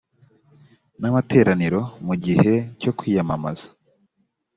n amateraniro mu gihe cyo kwiyamamaza